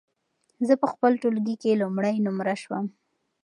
زه په خپل ټولګي کې لومړی نمره سوم.